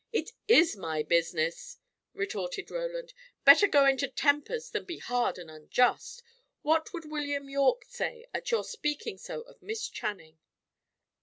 "It is my business," retorted Roland. "Better go into tempers than be hard and unjust. What would William Yorke say at your speaking so of Miss Channing?"